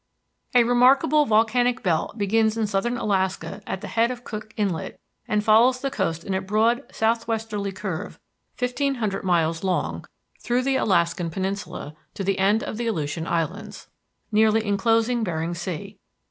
A remarkable volcanic belt begins in southern Alaska at the head of Cook Inlet, and follows the coast in a broad southwesterly curve fifteen hundred miles long through the Alaskan Peninsula to the end of the Aleutian Islands, nearly enclosing Behring Sea.